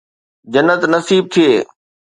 جنت نصيب ٿئي.